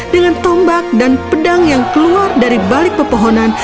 dengan tombak dan pedang yang keluar dari balik pepohonan